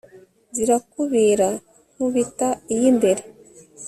zirakubira nku bita iyimbere